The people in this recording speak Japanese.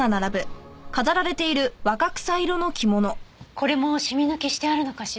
これもシミ抜きしてあるのかしら？